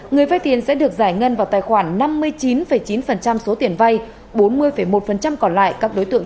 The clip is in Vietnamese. người vay tiền sẽ được giải ngân vào tài khoản năm mươi chín chín số tiền vay bốn mươi một còn lại các đối tượng